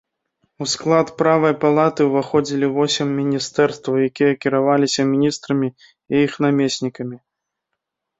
У склад правай палаты ўваходзілі восем міністэрстваў, якія кіраваліся міністрамі і іх намеснікамі.